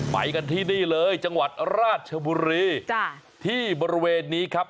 ไปกันที่นี่เลยจังหวัดราชบุรีที่บริเวณนี้ครับ